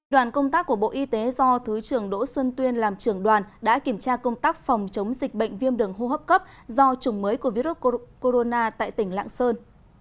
đoàn công tác của bộ y tế do thứ trưởng đỗ xuân tuyên làm trưởng đoàn đã kiểm tra công tác phòng chống dịch bệnh viêm đường hô hấp cấp do chủng mới của virus corona tại tỉnh lạng sơn